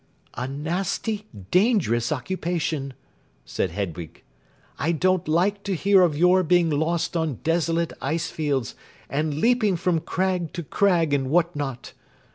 "A nasty, dangerous occupation," said Hedwig. "I don't like to hear of your being lost on desolate ice fields, and leaping from crag to crag, and what not.